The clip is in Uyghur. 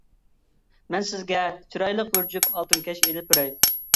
مەن سىزگە چىرايلىق بىر جۈپ ئالتۇن كەش ئېلىپ بېرەي.